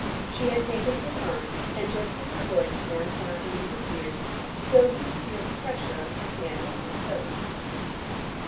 She had taken his arm, and just as her voice now sounded in his ears, so he could feel the pressure of her hand on his coat.